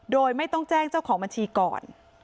โดยไม่ต้องแจ้งเจ้าของบัญชีก่อน